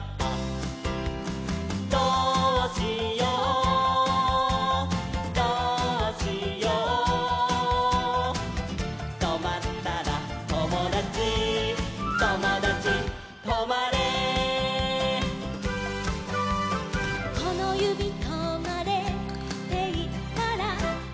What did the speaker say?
「どうしようどうしよう」「とまったらともだちともだちとまれ」「このゆびとまれっていったら」